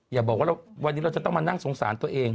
อย่าบอกว่าวันนี้เราจะต้องมานั่งสงสารตัวเอง